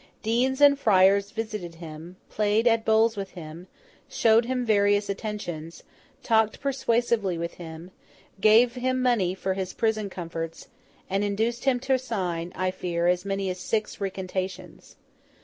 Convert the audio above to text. Deans and friars visited him, played at bowls with him, showed him various attentions, talked persuasively with him, gave him money for his prison comforts, and induced him to sign, I fear, as many as six recantations.